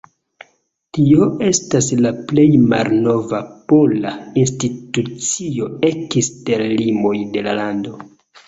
Tio estas la plej malnova pola institucio ekster limoj de la lando.